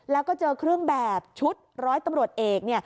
แล้วก็เจอเครื่องแบบชุดร้อยตำรวจเอก